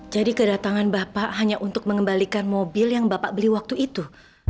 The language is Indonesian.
jadi kedatangan bapak hanya untuk mengembalikan mobil yang bapak beli waktu itu